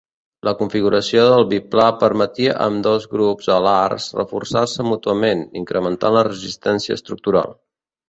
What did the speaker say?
La configuració del biplà permetia a ambdós grups alars reforçar-se mútuament, incrementant la resistència estructural.